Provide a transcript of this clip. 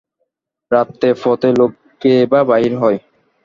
রাত্রে পথে লোক কেই বা বাহির হয়।